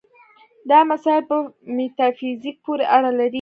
دا مسایل په میتافیزیک پورې اړه لري.